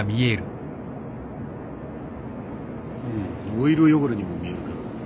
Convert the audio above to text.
オイル汚れにも見えるけど。